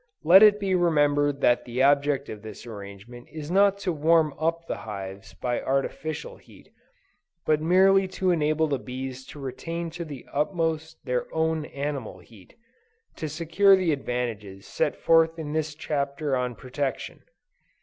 Let it be remembered that the object of this arrangement is not to warm up the hives by artificial heat; but merely to enable the bees to retain to the utmost their own animal heat, to secure the advantages set forth in this Chapter on Protection.